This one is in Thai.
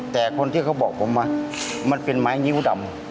แต่คนที่เขาบอกผมมันเป็นไม้งิ้วดำ